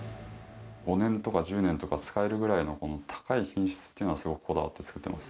５年とか１０年とか使えるぐらいの高い品質というのはすごいこだわって作ってます。